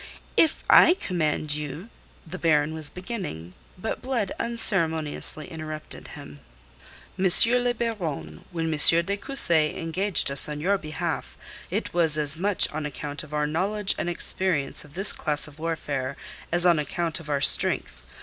"If I command you..." the Baron was beginning. But Blood unceremoniously interrupted him. "M. le Baron, when M. de Cussy engaged us on your behalf, it was as much on account of our knowledge and experience of this class of warfare as on account of our strength.